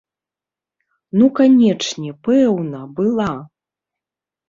Ну канечне, пэўна, была!